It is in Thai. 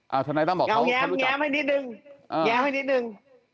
เอาแง้มให้นิดนึงแง้มให้นิดนึง